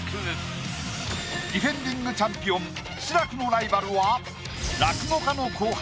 ディフェンディングチャンピオン志らくのライバルは落語家の後輩